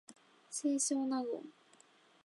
清少納言